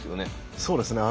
そうですね。